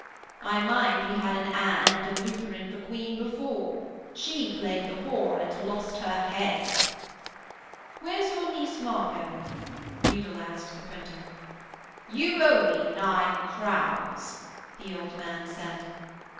I mind we had an Anne and a Lutheran for Queen before. She played the whore and lost her head.' 'Where's your niece Margot?' Udal asked the printer. 'You owe me nine crowns,' the old man said.